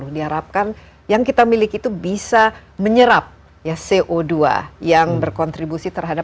diharapkan yang kita miliki itu bisa menyerap ya co dua yang berkontribusi terhadap